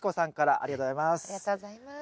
ありがとうございます。